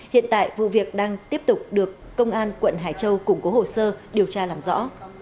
hiện tại vụ việc đang tiếp tục được công an quận hải châu củng cố hồ sơ điều tra làm rõ